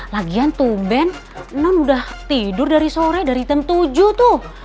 lagian tuh ben non udah tidur dari sore dari tem tujuh tuh